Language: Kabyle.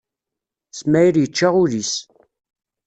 Smaɛil yečča ul-is.